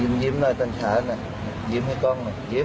ลืมลืมหน่อยต้นขาลืมให้ก่อนลืม